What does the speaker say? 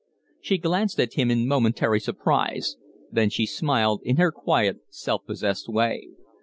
She glanced at him in momentary surprise; then she smiled in her quiet, self possessed way.